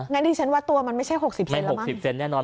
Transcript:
งั้นดิฉันว่าตัวมันไม่ใช่หกสิบเซนละมั้งไม่หกสิบเซนแน่นอน